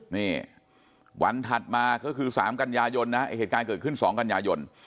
นี่วันถัดมาก็คือ๓กันยายนนะเหตุการณ์เกิดขึ้น๒กันยายน